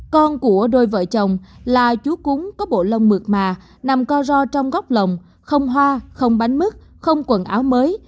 con của đôi vợ chồng là chú cúng có bộ lông mượt mà nằm co ro trong góc lòng không hoa không bánh mứt không quần áo mới